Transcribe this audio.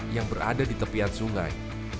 yang berada di tepian sungai